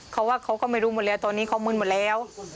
เขาว่าเขาก็ไม่รู้หมดแล้วตอนนี้เขามืนหมดแล้ว